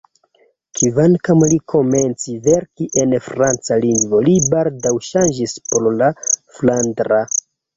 Kvankam li komenci verki en franca lingvo, li baldaŭ ŝanĝis por la flandra.